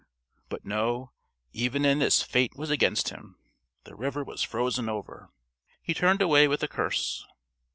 _) But no! Even in this Fate was against him. The river was frozen over! He turned away with a curse....